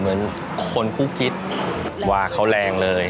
เหมือนคนคู่คิดว่าเขาแรงเลย